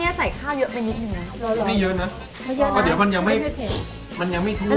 นี่เยอะเนอะแล้วเดี๋ยวมันยังไม่ทั่ว